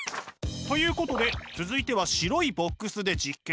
ということで続いては白いボックスで実験。